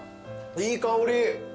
いい香り。